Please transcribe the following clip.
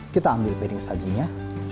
kita ambil piring sajunya